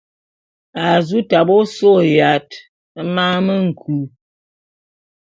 A zu tabe ôsôé yat e mane me nku.